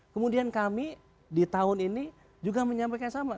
kemudian kami di tahun ini juga menyampaikan sama